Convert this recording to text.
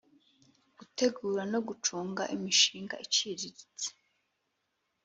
gutegura no gucunga imishinga iciriritse.